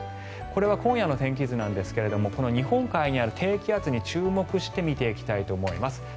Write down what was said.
これは今夜の天気なんですがこの日本海にある低気圧に注目して見ていきたいと思います。